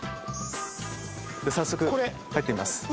早速入ってみます。